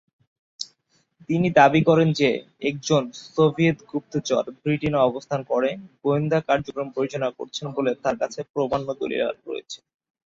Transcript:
তিনি দাবী করেন যে, একজন সোভিয়েত গুপ্তচর ব্রিটেনে অবস্থান করে গোয়েন্দা কার্যক্রম পরিচালনা করছেন বলে তার কাছে প্রামাণ্য দলিল রয়েছে।